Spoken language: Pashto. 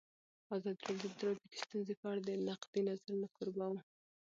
ازادي راډیو د ټرافیکي ستونزې په اړه د نقدي نظرونو کوربه وه.